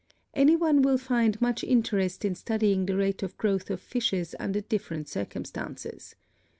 Any one will find much interest in studying the rate of growth of fishes under different circumstances.